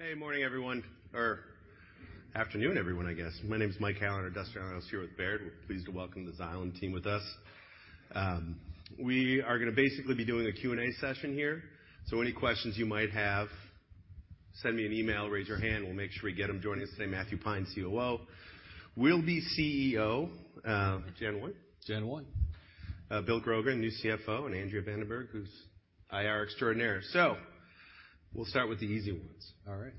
Hey, morning, everyone, or afternoon, everyone, I guess. My name is Mike Halloran, Industrial Analyst here with Baird. We're pleased to welcome the Xylem team with us. We are gonna basically be doing a Q&A session here, so any questions you might have, send me an email, raise your hand. We'll make sure we get them. Joining us today, Matthew Pine, COO, will be CEO, Jan 1? Jan 1. Bill Grogan, new CFO, and Andrea van der Berg, who's IR extraordinaire. We'll start with the easy ones. All right.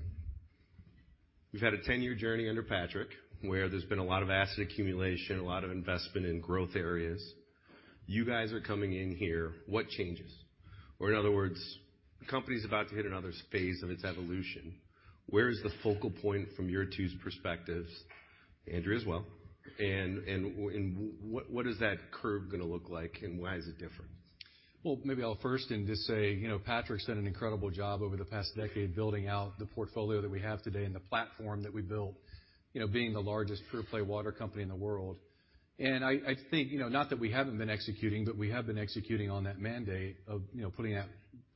We've had a 10-year journey under Patrick, where there's been a lot of asset accumulation, a lot of investment in growth areas. You guys are coming in here: What changes? Or in other words, the company's about to hit another phase of its evolution. Where is the focal point from your two's perspectives, Andrea as well, and what is that curve gonna look like, and why is it different? Well, maybe I'll first and just say, you know, Patrick's done an incredible job over the past decade, building out the portfolio that we have today and the platform that we built, you know, being the largest pure play water company in the world. And I think, you know, not that we haven't been executing, but we have been executing on that mandate of, you know, putting that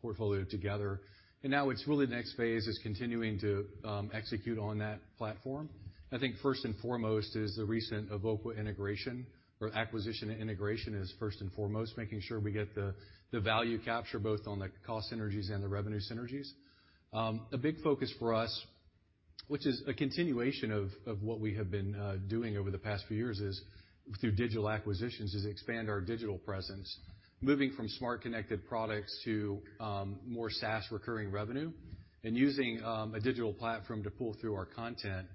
portfolio together. And now it's really the next phase is continuing to execute on that platform. I think first and foremost is the recent Evoqua integration or acquisition and integration is first and foremost, making sure we get the value capture, both on the cost synergies and the revenue synergies. A big focus for us, which is a continuation of what we have been doing over the past few years, is through digital acquisitions, is expand our digital presence, moving from smart, connected products to more SaaS recurring revenue and using a digital platform to pull through our content.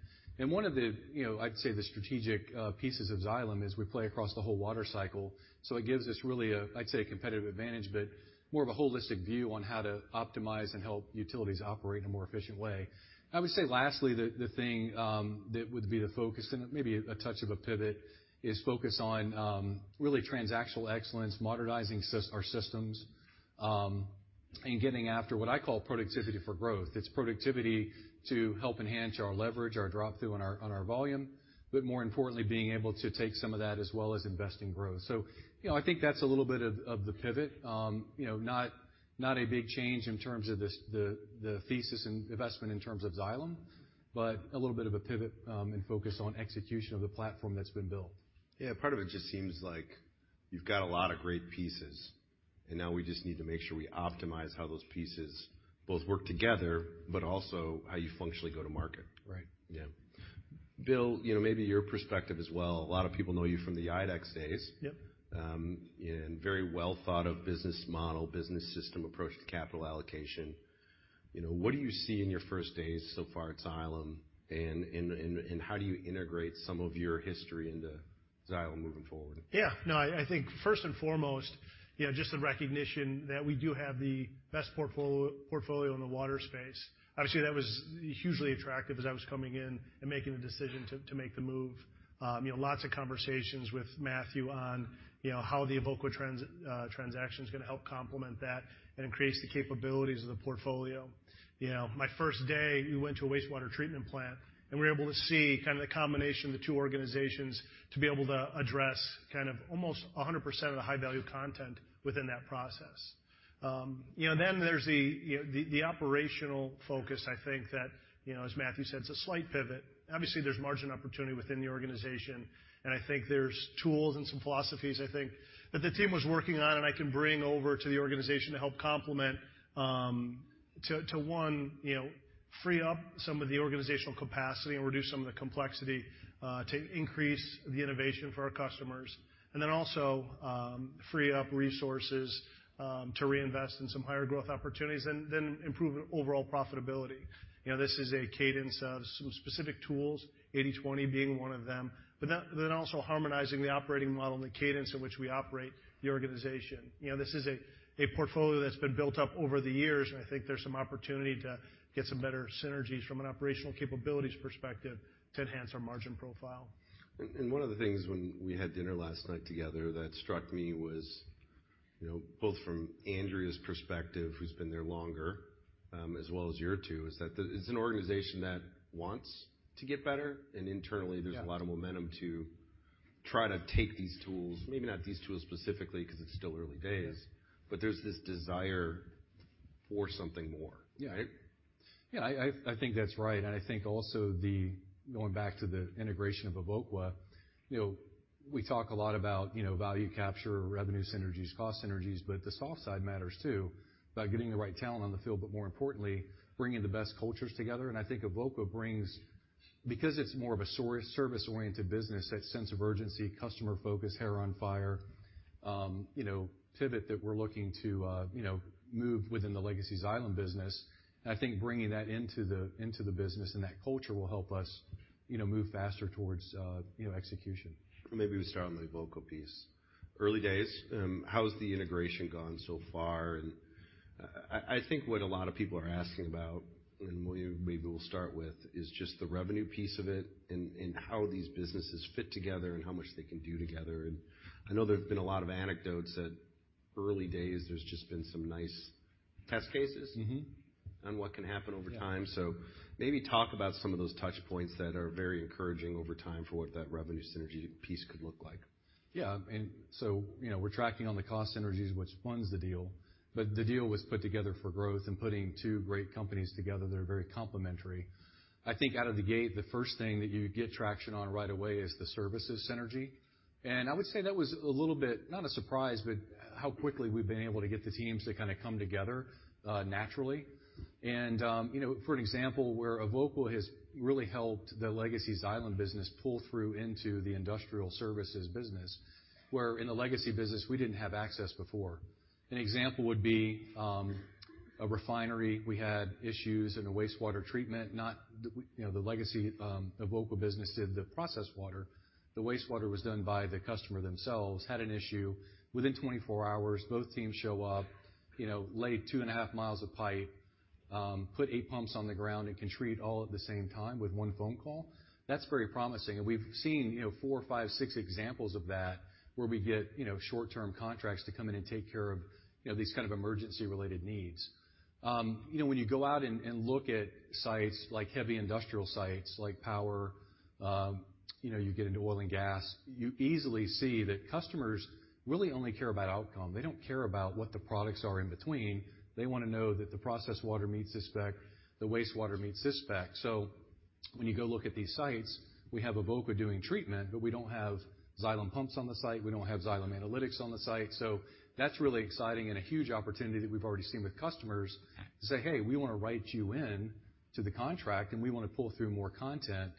One of the, you know, I'd say, the strategic pieces of Xylem is we play across the whole water cycle, so it gives us really a, I'd say, a competitive advantage, but more of a holistic view on how to optimize and help utilities operate in a more efficient way. I would say, lastly, the thing that would be the focus and maybe a touch of a pivot is focus on really transactional excellence, modernizing our systems, and getting after what I call productivity for growth. It's productivity to help enhance our leverage, our drop-through on our volume, but more importantly, being able to take some of that, as well as invest in growth. So, you know, I think that's a little bit of the pivot. You know, not a big change in terms of the thesis and investment in terms of Xylem, but a little bit of a pivot, and focus on execution of the platform that's been built. Yeah, part of it just seems like you've got a lot of great pieces, and now we just need to make sure we optimize how those pieces both work together, but also how you functionally go to market. Right. Yeah. Bill, you know, maybe your perspective as well. A lot of people know you from the IDEX days. Yep. Very well thought of business model, business system, approach to capital allocation. You know, what do you see in your first days so far at Xylem, and how do you integrate some of your history into Xylem moving forward? Yeah, no, I think first and foremost, you know, just the recognition that we do have the best portfolio in the water space. Obviously, that was hugely attractive as I was coming in and making the decision to make the move. You know, lots of conversations with Matthew on, you know, how the Evoqua transaction is gonna help complement that and increase the capabilities of the portfolio. You know, my first day, we went to a wastewater treatment plant, and we were able to see kind of the combination of the two organizations to be able to address kind of almost 100% of the high-value content within that process. You know, then there's the operational focus, I think that, you know, as Matthew said, it's a slight pivot. Obviously, there's margin opportunity within the organization, and I think there's tools and some philosophies, I think, that the team was working on and I can bring over to the organization to help complement, to, you know, free up some of the organizational capacity and reduce some of the complexity to increase the innovation for our customers. And then also, free up resources, to reinvest in some higher growth opportunities and then improve overall profitability. You know, this is a cadence of some specific tools, 80/20 being one of them, but then also harmonizing the operating model and the cadence in which we operate the organization. You know, this is a portfolio that's been built up over the years, and I think there's some opportunity to get some better synergies from an operational capabilities perspective to enhance our margin profile. One of the things, when we had dinner last night together, that struck me was, you know, both from Andrea's perspective, who's been there longer, as well as your two, is that it's an organization that wants to get better, and internally. Yeah... there's a lot of momentum to try to take these tools, maybe not these tools specifically, 'cause it's still early days. Yeah But there's this desire for something more. Yeah, yeah, I think that's right, and I think also the, going back to the integration of Evoqua, you know, we talk a lot about, you know, value capture, revenue synergies, cost synergies, but the soft side matters, too, by getting the right talent on the field, but more importantly, bringing the best cultures together. And I think Evoqua brings, because it's more of a service-oriented business, that sense of urgency, customer focus, hair on fire, you know, pivot that we're looking to, you know, move within the legacy Xylem business. And I think bringing that into the, into the business and that culture will help us, you know, move faster towards, you know, execution. Maybe we start on the Evoqua piece. Early days, how has the integration gone so far? And I think what a lot of people are asking about, and what we maybe we'll start with, is just the revenue piece of it and how these businesses fit together and how much they can do together. And I know there have been a lot of anecdotes that early days, there's just been some nice test cases- Mm-hmm. - on what can happen over time. Yeah. Maybe talk about some of those touch points that are very encouraging over time for what that revenue synergy piece could look like. Yeah, and so, you know, we're tracking on the cost synergies, which funds the deal, but the deal was put together for growth and putting two great companies together that are very complementary. I think out of the gate, the first thing that you get traction on right away is the services synergy. And I would say that was a little bit, not a surprise, but how quickly we've been able to get the teams to kind of come together, naturally. And, you know, for an example, where Evoqua has really helped the legacy Xylem business pull through into the industrial services business, where in the legacy business, we didn't have access before. An example would be, a refinery. We had issues in the wastewater treatment, not the, you know, the legacy, Evoqua business did the process water. The wastewater was done by the customer themselves, had an issue. Within 24 hours, both teams show up, you know, laid two and a half miles of pipe, put eight pumps on the ground and can treat all at the same time with one phone call. That's very promising, and we've seen, you know, four, five, six examples of that, where we get, you know, short-term contracts to come in and take care of, you know, these kind of emergency-related needs. You know, when you go out and look at sites, like heavy industrial sites, like power, you know, you get into oil and gas, you easily see that customers really only care about outcome. They don't care about what the products are in between. They want to know that the process water meets this spec, the wastewater meets this spec. So when you go look at these sites, we have Evoqua doing treatment, but we don't have Xylem pumps on the site. We don't have Xylem analytics on the site. So that's really exciting and a huge opportunity that we've already seen with customers to say, "Hey, we want to write you in to the contract, and we want to pull through more content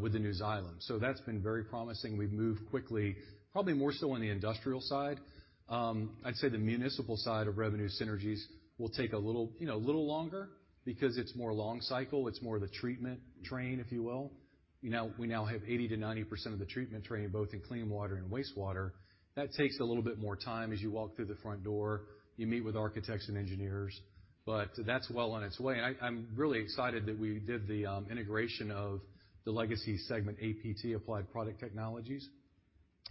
with the new Xylem." So that's been very promising. We've moved quickly, probably more so on the industrial side. I'd say the municipal side of revenue synergies will take a little, you know, a little longer because it's more long cycle. It's more the treatment train, if you will. You know, we now have 80%-90% of the treatment train, both in clean water and wastewater. That takes a little bit more time as you walk through the front door, you meet with architects and engineers, but that's well on its way. I'm really excited that we did the integration of the legacy segment, APT, Applied Product Technologies,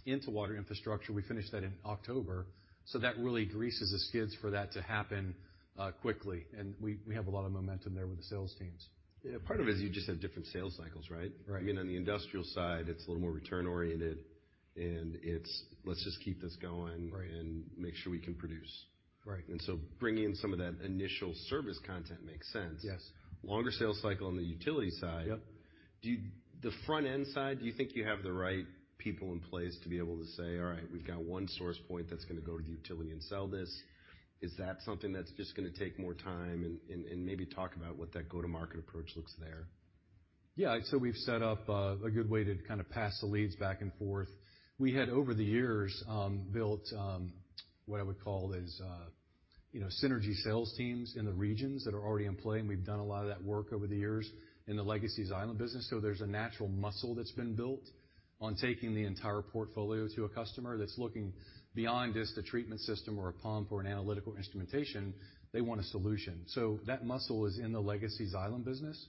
into water infrastructure. We finished that in October, so that really greases the skids for that to happen quickly. And we have a lot of momentum there with the sales teams. Yeah. Part of it is you just have different sales cycles, right? Right. You know, on the industrial side, it's a little more return oriented, and it's, "Let's just keep this going- Right. and make sure we can produce. Right. Bringing in some of that initial service content makes sense. Yes. Longer sales cycle on the utility side. Yep. The front-end side, do you think you have the right people in place to be able to say, "All right, we've got one source point that's gonna go to the utility and sell this"? Is that something that's just gonna take more time, and maybe talk about what that go-to-market approach looks like there. Yeah. So we've set up a good way to kind of pass the leads back and forth. We had, over the years, built what I would call is, you know, synergy sales teams in the regions that are already in play, and we've done a lot of that work over the years in the legacy Xylem business. So there's a natural muscle that's been built on taking the entire portfolio to a customer that's looking beyond just a treatment system or a pump or an analytical instrumentation. They want a solution. So that muscle is in the legacy Xylem business,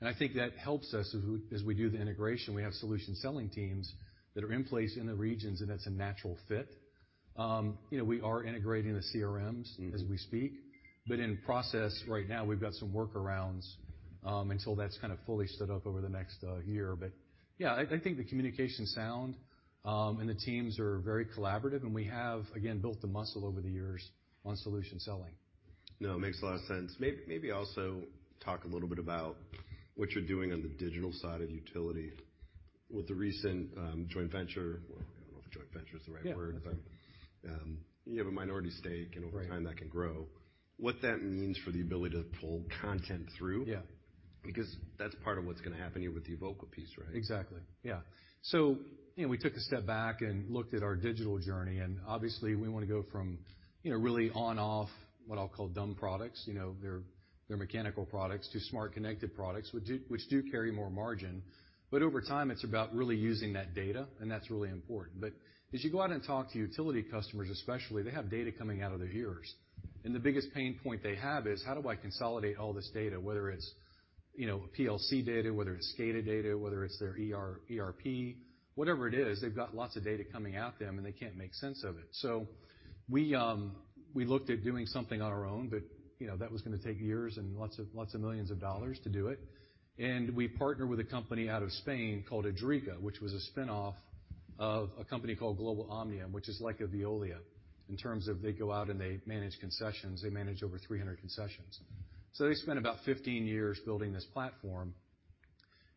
and I think that helps us as we, as we do the integration. We have solution-selling teams that are in place in the regions, and it's a natural fit. You know, we are integrating the CRMs as we speak, but in process right now, we've got some workarounds until that's kind of fully stood up over the next year. But yeah, I think the communication's sound, and the teams are very collaborative, and we have, again, built the muscle over the years on solution selling. No, it makes a lot of sense. Maybe also talk a little bit about what you're doing on the digital side of utility with the recent joint venture. Well, I don't know if joint venture is the right word. Yeah. But, you have a minority stake over time, that can grow. What that means for the ability to pull content through- Yeah. because that's part of what's gonna happen here with the Evoqua piece, right? Exactly. Yeah. So, you know, we took a step back and looked at our digital journey, and obviously, we want to go from, you know, really on/off, what I'll call dumb products, you know, they're, they're mechanical products, to smart, connected products, which do, which do carry more margin. But over time, it's about really using that data, and that's really important. But as you go out and talk to utility customers, especially, they have data coming out of their ears, and the biggest pain point they have is: How do I consolidate all this data? Whether it's, you know, PLC data, whether it's SCADA data, whether it's their ER- ERP, whatever it is, they've got lots of data coming at them, and they can't make sense of it. So we, we looked at doing something on our own, but, you know, that was gonna take years and lots of, lots of millions of dollars to do it. And we partnered with a company out of Spain called Idrica, which was a spinoff of a company called Global Omnium, which is like a Veolia in terms of they go out, and they manage concessions. They manage over 300 concessions. So they spent about 15 years building this platform.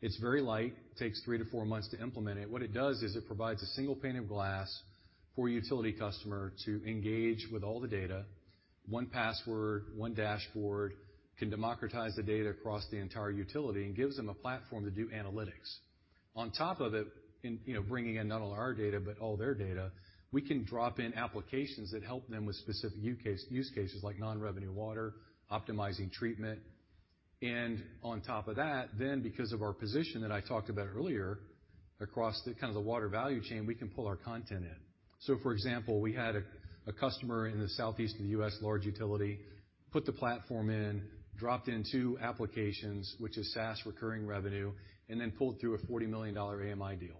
It's very light. Takes 3-4 months to implement it. What it does is it provides a single pane of glass for a utility customer to engage with all the data. One password, one dashboard, can democratize the data across the entire utility and gives them a platform to do analytics. On top of it, you know, bringing in not only our data but all their data, we can drop in applications that help them with specific use cases like non-revenue water, optimizing treatment. On top of that, because of our position that I talked about earlier, across the kind of the water value chain, we can pull our content in. So, for example, we had a customer in the southeast of the U.S., large utility, put the platform in, dropped in two applications, which is SaaS recurring revenue, and then pulled through a $40 million AMI deal.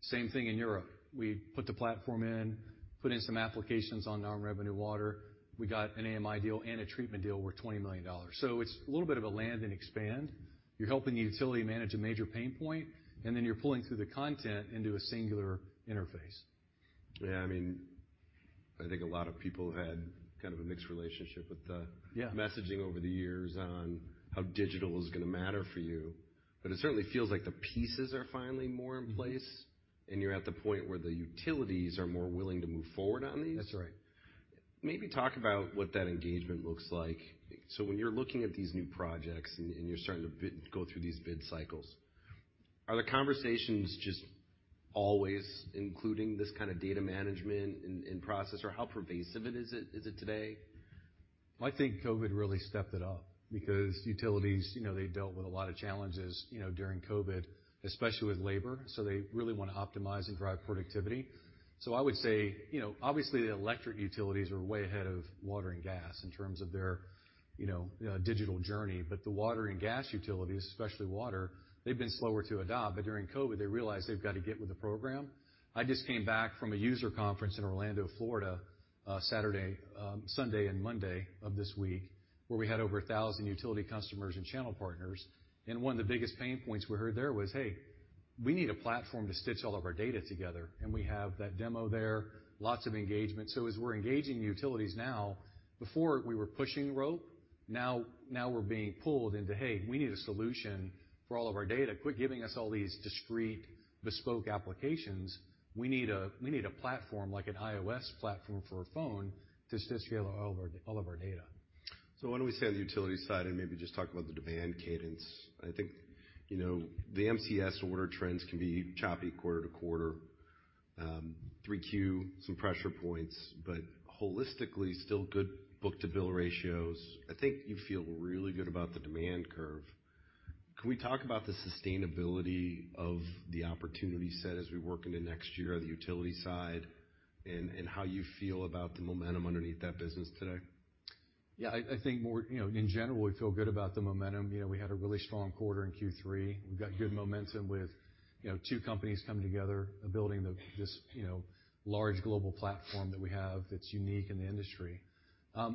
Same thing in Europe. We put the platform in, put in some applications on non-revenue water. We got an AMI deal and a treatment deal worth $20 million. So it's a little bit of a land and expand. You're helping the utility manage a major pain point, and then you're pulling through the content into a singular interface. Yeah, I mean, I think a lot of people had kind of a mixed relationship with the- Yeah. messaging over the years on how digital is gonna matter for you. But it certainly feels like the pieces are finally more in place, and you're at the point where the utilities are more willing to move forward on these? That's right. Maybe talk about what that engagement looks like. So when you're looking at these new projects and you're starting to bid, go through these bid cycles, are the conversations just always including this kind of data management in process, or how pervasive is it today? I think COVID really stepped it up because utilities, you know, they dealt with a lot of challenges, you know, during COVID, especially with labor, so they really want to optimize and drive productivity. So I would say, you know, obviously, the electric utilities are way ahead of water and gas in terms of their, you know, digital journey. But the water and gas utilities, especially water, they've been slower to adopt, but during COVID, they realized they've got to get with the program. I just came back from a user conference in Orlando, Florida, Saturday, Sunday and Monday of this week, where we had over 1,000 utility customers and channel partners. And one of the biggest pain points we heard there was, "Hey, we need a platform to stitch all of our data together." And we have that demo there, lots of engagement. So as we're engaging the utilities now, before we were pushing the rope, now, now we're being pulled into, "Hey, we need a solution for all of our data. Quit giving us all these discrete, bespoke applications. We need a, we need a platform like an iOS platform for a phone to stitch together all of our, all of our data. So why don't we stay on the utility side and maybe just talk about the demand cadence? I think, you know, the MCS order trends can be choppy quarter to quarter. 3Q, some pressure points, but holistically, still good book-to-bill ratios. I think you feel really good about the demand curve. Can we talk about the sustainability of the opportunity set as we work into next year on the utility side, and, and how you feel about the momentum underneath that business today? Yeah, I think more, you know, in general, we feel good about the momentum. You know, we had a really strong quarter in Q3. We've got good momentum with, you know, two companies coming together and building this, you know, large global platform that we have that's unique in the industry.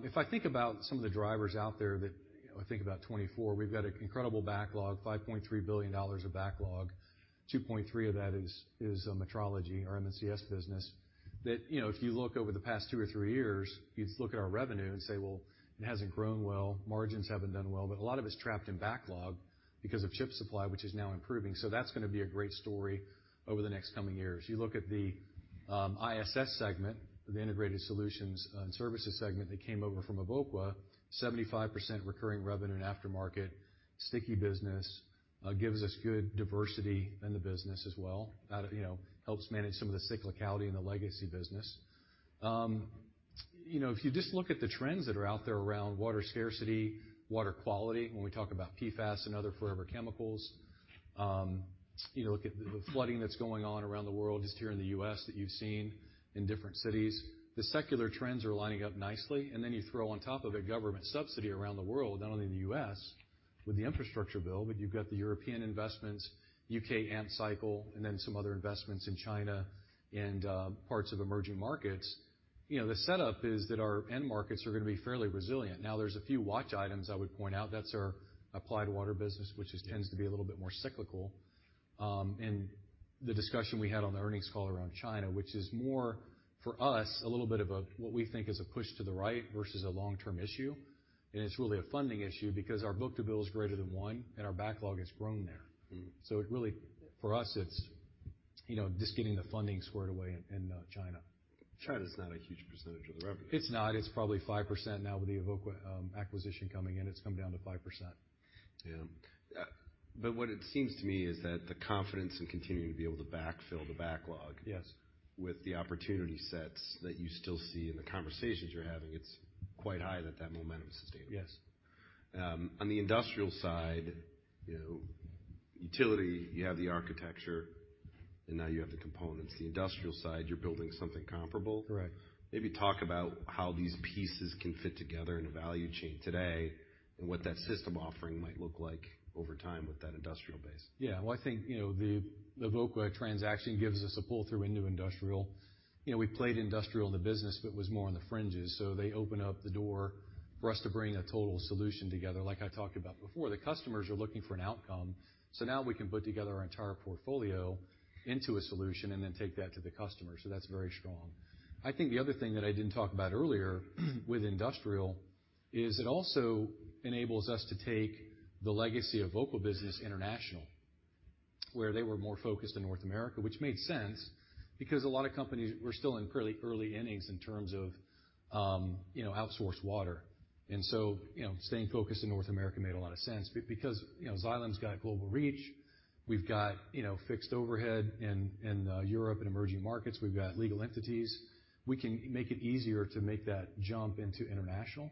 If I think about some of the drivers out there that, you know, I think about 2024, we've got an incredible backlog, $5.3 billion of backlog. $2.3 billion of that is metrology, our MCS business, that, you know, if you look over the past two or three years, you'd look at our revenue and say, "Well, it hasn't grown well. Margins haven't done well." But a lot of it's trapped in backlog because of chip supply, which is now improving. So that's gonna be a great story over the next coming years. You look at the ISS segment, the Integrated Solutions and Services segment, that came over from Evoqua, 75% recurring revenue and aftermarket. Sticky business, gives us good diversity in the business as well. You know, helps manage some of the cyclicality in the legacy business. You know, if you just look at the trends that are out there around water scarcity, water quality, when we talk about PFAS and other forever chemicals, you know, look at the flooding that's going on around the world, just here in the US that you've seen in different cities. The secular trends are lining up nicely, and then you throw on top of it government subsidy around the world, not only in the U.S., with the infrastructure bill, but you've got the European investments, U.K. AMP cycle, and then some other investments in China and parts of emerging markets. You know, the setup is that our end markets are gonna be fairly resilient. Now, there's a few watch items I would point out. That's our Applied Water business, which is tends to be a little bit more cyclical. And the discussion we had on the earnings call around China, which is more, for us, a little bit of a, what we think is a push to the right versus a long-term issue. And it's really a funding issue because our book-to-bill is greater than one, and our backlog has grown there. Mm-hmm. It really, for us, it's, you know, just getting the funding squared away in China. China's not a huge percentage of the revenue. It's not. It's probably 5% now with the Evoqua, acquisition coming in, it's come down to 5%. Yeah. But what it seems to me is that the confidence in continuing to be able to backfill the backlog- Yes With the opportunity sets that you still see in the conversations you're having, it's quite high that that momentum is sustainable. Yes. On the industrial side, you know, utility, you have the architecture, and now you have the components. The industrial side, you're building something comparable? Correct. Maybe talk about how these pieces can fit together in a value chain today, and what that system offering might look like over time with that industrial base. Yeah, well, I think, you know, the Evoqua transaction gives us a pull-through into industrial. You know, we played industrial in the business, but it was more on the fringes, so they open up the door for us to bring a total solution together. Like I talked about before, the customers are looking for an outcome, so now we can put together our entire portfolio into a solution and then take that to the customer. So that's very strong. I think the other thing that I didn't talk about earlier, with industrial is it also enables us to take the legacy of Evoqua business international, where they were more focused in North America. Which made sense, because a lot of companies were still in fairly early innings in terms of, you know, outsourced water. And so, you know, staying focused in North America made a lot of sense. Because, you know, Xylem's got a global reach. We've got, you know, fixed overhead in Europe and emerging markets. We've got legal entities. We can make it easier to make that jump into international.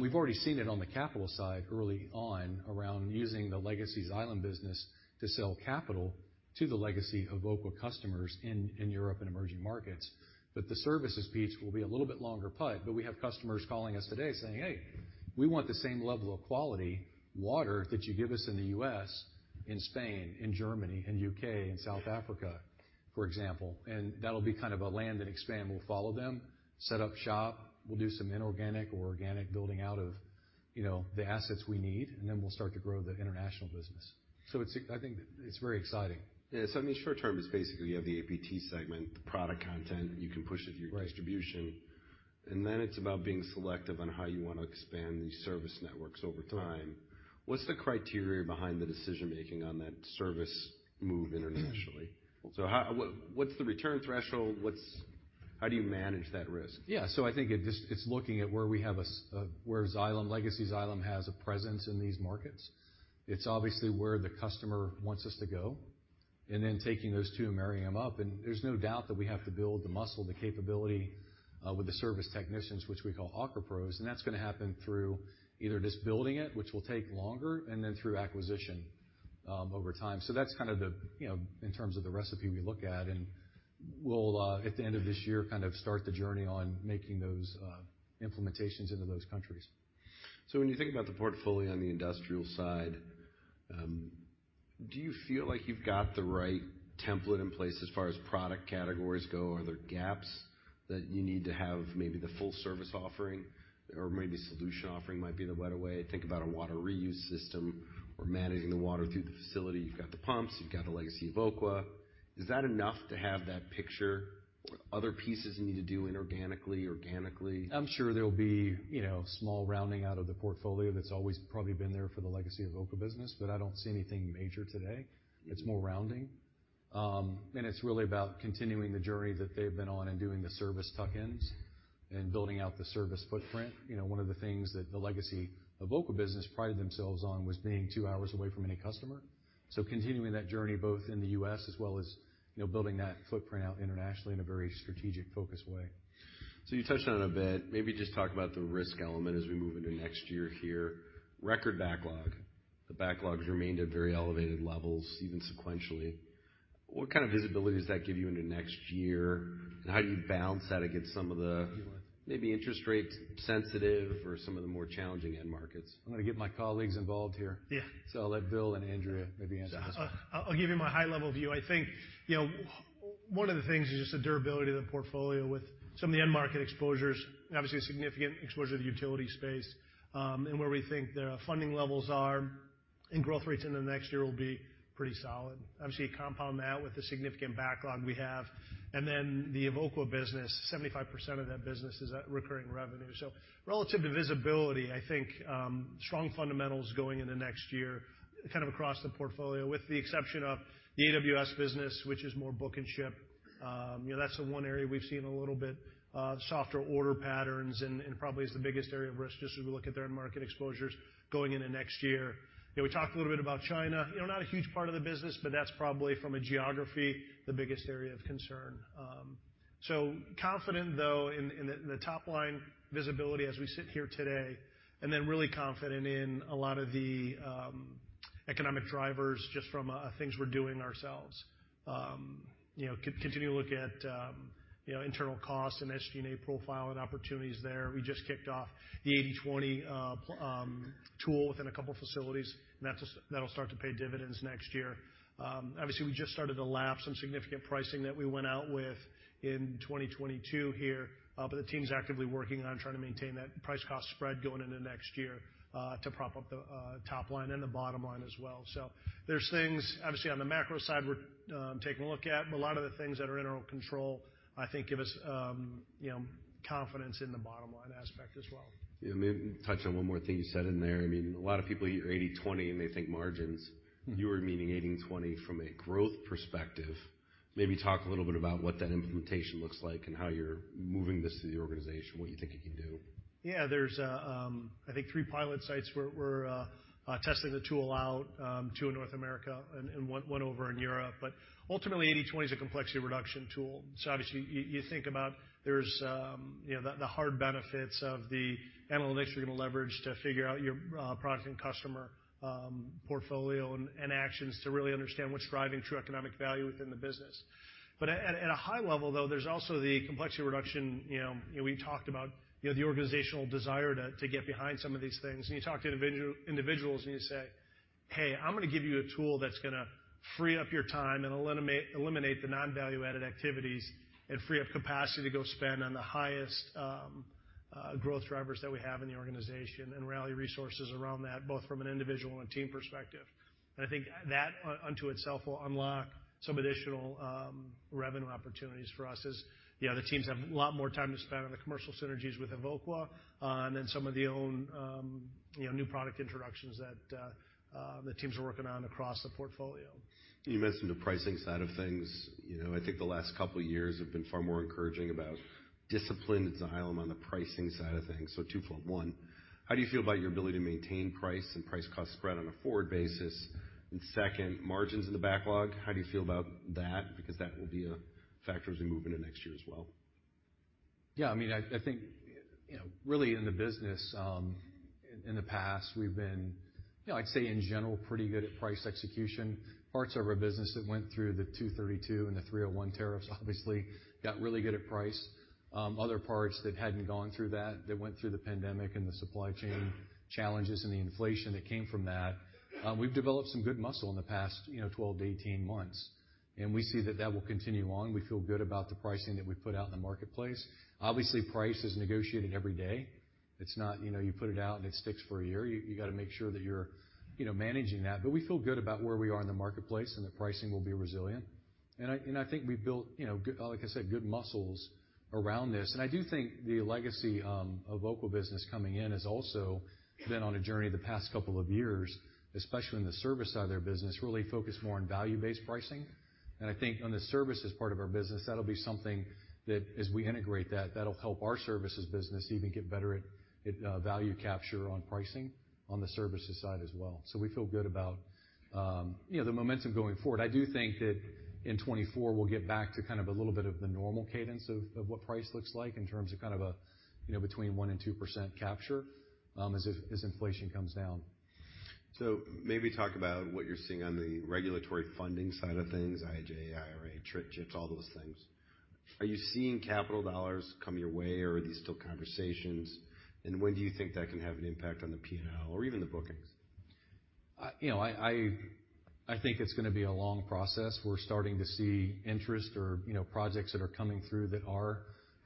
We've already seen it on the capital side early on around using the legacy Xylem business to sell capital to the legacy Evoqua customers in Europe and emerging markets. But the services piece will be a little bit longer putt, but we have customers calling us today saying, "Hey, we want the same level of quality water that you give us in the U.S., in Spain, in Germany, in U.K., in South Africa," for example. And that'll be kind of a land and expand. We'll follow them, set up shop, we'll do some inorganic or organic building out of, you know, the assets we need, and then we'll start to grow the international business. So it's, I think it's very exciting. Yes. I mean, short term, it's basically you have the APT segment, the product content, you can push it through distribution. And then it's about being selective on how you want to expand the service networks over time. What's the criteria behind the decision-making on that service move internationally? So how—what, what's the return threshold? What's—how do you manage that risk? Yeah, so I think it just, it's looking at where we have where Xylem, Legacy Xylem, has a presence in these markets. It's obviously where the customer wants us to go, and then taking those two and marrying them up. And there's no doubt that we have to build the muscle, the capability, with the service technicians, which we call AQUA pros, and that's gonna happen through either just building it, which will take longer, and then through acquisition, over time. So that's kind of the, you know, in terms of the recipe we look at, and we'll, at the end of this year, kind of start the journey on making those, implementations into those countries. So when you think about the portfolio on the industrial side, do you feel like you've got the right template in place as far as product categories go? Are there gaps that you need to have maybe the full service offering, or maybe solution offering might be the better way? Think about a water reuse system or managing the water through the facility. You've got the pumps, you've got the legacy Evoqua. Is that enough to have that picture, or other pieces you need to do inorganically, organically? I'm sure there'll be, you know, small rounding out of the portfolio that's always probably been there for the legacy of Evoqua business, but I don't see anything major today. It's more rounding. It's really about continuing the journey that they've been on and doing the service tuck-ins and building out the service footprint. You know, one of the things that the legacy Evoqua business prided themselves on was being two hours away from any customer. So continuing that journey, both in the U.S. as well as, you know, building that footprint out internationally in a very strategic, focused way. So you touched on it a bit. Maybe just talk about the risk element as we move into next year here. Record backlog. The backlogs remained at very elevated levels, even sequentially. What kind of visibility does that give you into next year, and how do you balance that against some of the maybe interest rate sensitive or some of the more challenging end markets? I'm gonna get my colleagues involved here. Yeah. I'll let Bill and Andrea maybe answer this one. I'll give you my high-level view. I think, you know, one of the things is just the durability of the portfolio with some of the end market exposures, and obviously, a significant exposure to the utility space, and where we think the funding levels are and growth rates in the next year will be pretty solid. Obviously, you compound that with the significant backlog we have, and then the Evoqua business, 75% of that business is recurring revenue. So relative to visibility, I think strong fundamentals going into next year, kind of across the portfolio, with the exception of the AWS business, which is more book and ship. You know, that's the one area we've seen a little bit, softer order patterns and, and probably is the biggest area of risk just as we look at their market exposures going into next year. You know, we talked a little bit about China. You know, not a huge part of the business, but that's probably, from a geography, the biggest area of concern. So confident, though, in the top-line visibility as we sit here today, and then really confident in a lot of the economic drivers just from things we're doing ourselves. You know, continue to look at, you know, internal costs and SG&A profile and opportunities there. We just kicked off the 80/20 tool within a couple facilities, and that's, that'll start to pay dividends next year. Obviously, we just started to lap some significant pricing that we went out with in 2022 here, but the team's actively working on trying to maintain that price-cost spread going into next year, to prop up the top line and the bottom line as well. So there's things, obviously, on the macro side, we're taking a look at, but a lot of the things that are internal control, I think, give us, you know, confidence in the bottom line aspect as well. Yeah, maybe touch on one more thing you said in there. I mean, a lot of people hear 80/20, and they think margins. You were meaning 80/20 from a growth perspective. Maybe talk a little bit about what that implementation looks like and how you're moving this to the organization, what you think it could do. Yeah, there's I think three pilot sites where we're testing the tool out, two in North America and one over in Europe. But ultimately, 80/20 is a complexity reduction tool. So obviously, you think about there's, you know, the hard benefits of the analytics you're gonna leverage to figure out your product and customer portfolio and actions to really understand what's driving true economic value within the business. But at a high level, though, there's also the complexity reduction, you know, we've talked about, you know, the organizational desire to get behind some of these things. And you talk to individuals, and you say: Hey, I'm gonna give you a tool that's gonna free up your time and eliminate the non-value-added activities and free up capacity to go spend on the highest growth drivers that we have in the organization and rally resources around that, both from an individual and team perspective. And I think that, unto itself, will unlock some additional revenue opportunities for us as, you know, the teams have a lot more time to spend on the commercial synergies with Evoqua, and then some of the own, you know, new product introductions that the teams are working on across the portfolio. You mentioned the pricing side of things. You know, I think the last couple years have been far more encouraging about discipline at Xylem on the pricing side of things. So twofold: One, how do you feel about your ability to maintain price and price-cost spread on a forward basis? And second, margins in the backlog, how do you feel about that? Because that will be a factor as we move into next year as well. Yeah, I mean, I think, you know, really in the business, in the past, we've been, you know, I'd say, in general, pretty good at price execution. Parts of our business that went through the 232 and the 301 tariffs, obviously, got really good at price. Other parts that hadn't gone through that, that went through the pandemic and the supply chain challenges and the inflation that came from that, we've developed some good muscle in the past, you know, 12-18 months, and we see that that will continue on. We feel good about the pricing that we put out in the marketplace. Obviously, price is negotiated every day. It's not, you know, you put it out, and it sticks for a year. You, you gotta make sure that you're, you know, managing that, but we feel good about where we are in the marketplace and that pricing will be resilient. And I, and I think we've built, you know, good, like I said, good muscles around this. And I do think the legacy of Evoqua business coming in has also been on a journey the past couple of years, especially in the service side of their business, really focused more on value-based pricing. And I think on the services part of our business, that'll be something that, as we integrate that, that'll help our services business even get better at, at value capture on pricing on the services side as well. So we feel good about, you know, the momentum going forward. I do think that in 2024, we'll get back to kind of a little bit of the normal cadence of what price looks like in terms of kind of a, you know, between 1% and 2% capture, as inflation comes down. So maybe talk about what you're seeing on the regulatory funding side of things, IIJA, IRA, CHIPS, all those things. Are you seeing capital dollars come your way, or are these still conversations? And when do you think that can have an impact on the P&L or even the bookings? You know, I think it's gonna be a long process. We're starting to see interest or, you know, projects that are coming through that are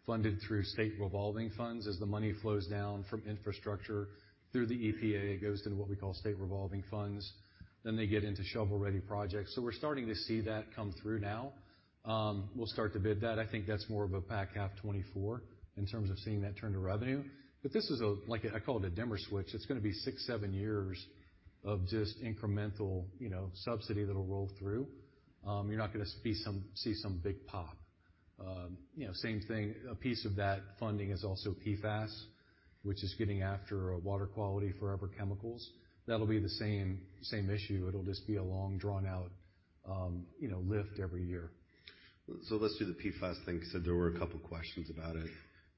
funded through State Revolving Funds. As the money flows down from infrastructure through the EPA, it goes into what we call state revolving funds, then they get into shovel-ready projects. So we're starting to see that come through now. We'll start to bid that. I think that's more of a back half 2024 in terms of seeing that turn to revenue. But this is a, like a, I call it a dimmer switch. It's gonna be 6-7 years of just incremental, you know, subsidy that'll roll through. You're not gonna see some big pop. You know, same thing, a piece of that funding is also PFAS, which is getting after water quality forever chemicals. That'll be the same, same issue. It'll just be a long, drawn-out, you know, lift every year. Let's do the PFAS thing, because there were a couple questions about it.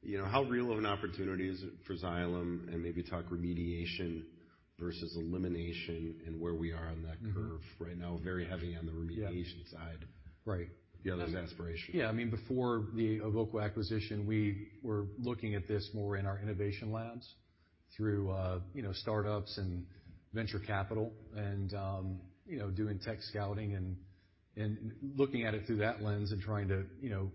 You know, how real of an opportunity is it for Xylem, and maybe talk remediation versus elimination and where we are on that curve? Right now, very heavy on the remediation side. Yeah. Right. The other is aspiration. Yeah, I mean, before the Evoqua acquisition, we were looking at this more in our innovation labs through, you know, startups and venture capital and, you know, doing tech scouting and looking at it through that lens and trying to, you know,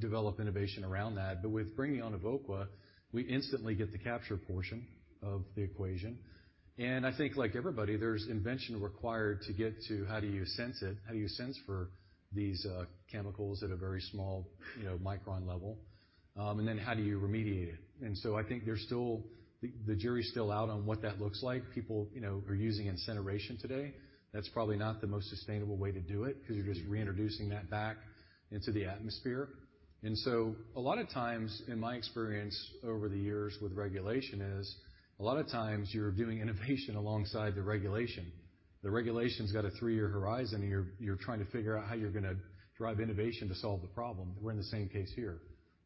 develop innovation around that. But with bringing on Evoqua, we instantly get the capture portion of the equation. And I think, like everybody, there's invention required to get to how do you sense it, how do you sense for these chemicals at a very small, you know, micron level, and then how do you remediate it? And so I think there's still the jury's still out on what that looks like. People, you know, are using incineration today. That's probably not the most sustainable way to do it, because you're just reintroducing that back into the atmosphere. A lot of times, in my experience over the years with regulation is, a lot of times you're doing innovation alongside the regulation. The regulation's got a three-year horizon, and you're trying to figure out how you're gonna drive innovation to solve the problem. We're in the same case here,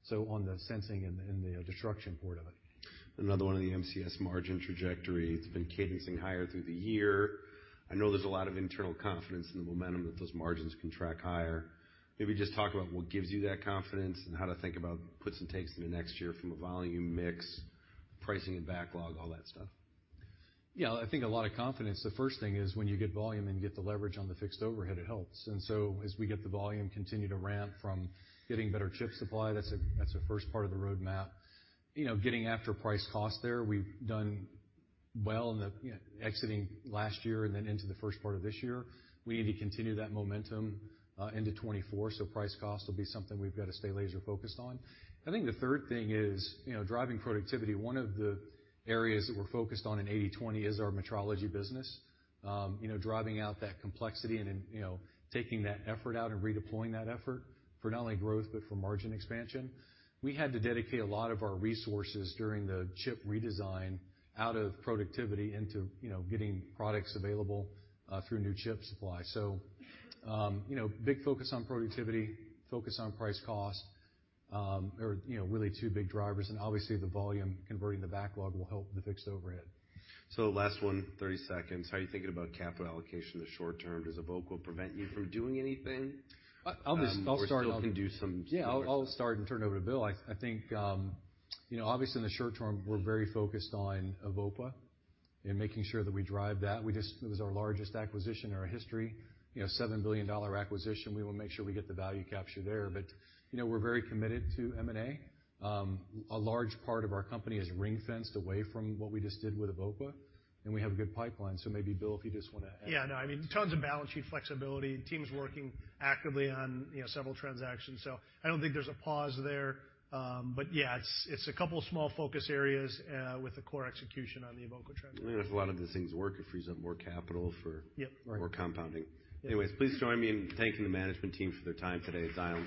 so on the sensing and the destruction part of it. Another one on the MCS margin trajectory. It's been cadencing higher through the year. I know there's a lot of internal confidence in the momentum that those margins can track higher. Maybe just talk about what gives you that confidence and how to think about puts and takes into next year from a volume mix, pricing and backlog, all that stuff? Yeah, I think a lot of confidence, the first thing is, when you get volume and get the leverage on the fixed overhead, it helps. And so as we get the volume, continue to ramp from getting better chip supply, that's a, that's a first part of the roadmap. You know, getting after price cost there, we've done well in the, you know, exiting last year and then into the first part of this year. We need to continue that momentum into 2024, so price cost will be something we've got to stay laser focused on. I think the third thing is, you know, driving productivity. One of the areas that we're focused on in 80/20 is our metrology business. You know, driving out that complexity and then, you know, taking that effort out and redeploying that effort for not only growth, but for margin expansion. We had to dedicate a lot of our resources during the chip redesign out of productivity into, you know, getting products available through new chip supply. So, you know, big focus on productivity, focus on price cost, are, you know, really two big drivers, and obviously, the volume converting the backlog will help the fixed overhead. Last one, 30 seconds. How are you thinking about capital allocation in the short term? Does Evoqua prevent you from doing anything? I'll just start on- Or still can do some- Yeah. I'll start and turn it over to Bill. I think, you know, obviously, in the short term, we're very focused on Evoqua and making sure that we drive that. It was our largest acquisition in our history, you know, $7 billion acquisition. We will make sure we get the value capture there. But, you know, we're very committed to M&A. A large part of our company is ring-fenced away from what we just did with Evoqua, and we have a good pipeline. So maybe, Bill, if you just wanna add? Yeah, no, I mean, tons of balance sheet flexibility. The team's working actively on, you know, several transactions, so I don't think there's a pause there. But yeah, it's a couple of small focus areas, with the core execution on the Evoqua track. If a lot of these things work, it frees up more capital for more compounding. Yep. Anyways, please join me in thanking the management team for their time today, Xylem.